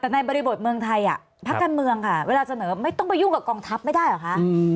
แต่ในบริบทเมืองไทยพักการเมืองค่ะเวลาเสนอไม่ต้องไปยุ่งกับกองทัพไม่ได้เหรอคะ